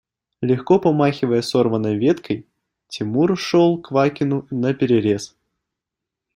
Легко помахивая сорванной веткой, Тимур шел Квакину наперерез.